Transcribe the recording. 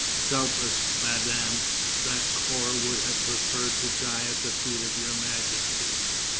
"Doubtless, Madame, that corps would have preferred to die at the feet of Your Majesties."